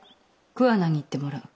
桑名に行ってもらう。